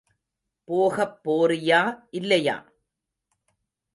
போகப் போறியா இல்லையா?